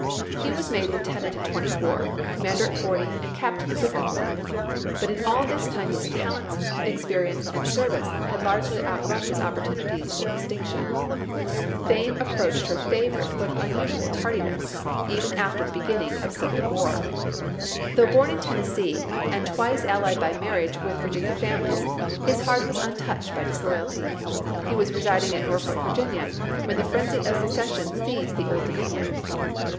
He was made lieutenant at twenty four, commander at forty, and captain at fifty four. But in all this time his talents, experience, and service had largely outrun his opportunities for distinction. Fame approached her favorite with unusual tardiness, Welles to Porter, Nov. 18, 1861. " Galaxy," Nov., 1871, p. 682. 256 ABRAHAM LINCOLN CHAP. XV. even after the beginning of civil war. Though born in Tennessee, and twice allied by marriage with Virginia families, his heart was untouched by disloyalty. He was residing at Norfolk, Virginia, when the frenzy of secession seized the Old Domin ion.